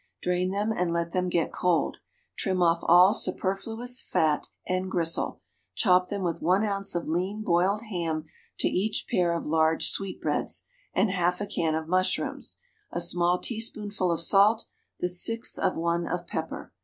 Drain them and let them get cold. Trim off all superfluous fat and gristle; chop them with one ounce of lean boiled ham to each pair of large sweetbreads, and half a can of mushrooms, a small teaspoonful of salt, the sixth of one of pepper.